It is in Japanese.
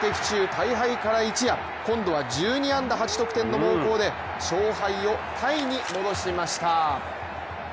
大敗から一夜、今度は１２安打８得点の猛攻で勝敗をタイに戻しました。